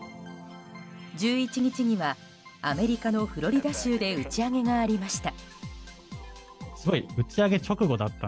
１１日にはアメリカのフロリダ州で打ち上げがありました。